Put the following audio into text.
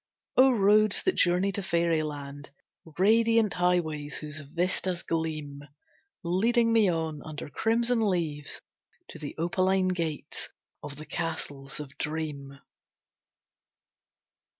O Roads that journey to fairyland! Radiant highways whose vistas gleam, Leading me on, under crimson leaves, To the opaline gates of the Castles of Dream.